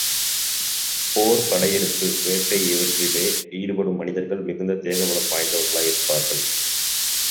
போர் படையெடுப்பு, வேட்டை இவற்றிலே ஈடுபடும் மனிதர்கள் மிகுந்த தேகபலம் வாய்ந்தவர்களாயிருப்பார்கள்.